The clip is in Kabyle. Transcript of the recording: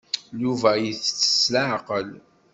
Yuba itett s leɛqel.